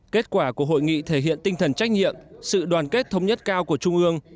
kết quả của hội nghị thể hiện tinh thần trách nhiệm sự đoàn kết thống nhất cao của trung ương